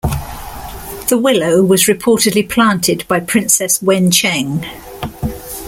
The willow was reportedly planted by Princess Wencheng.